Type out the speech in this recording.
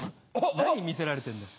何見せられてんだよ。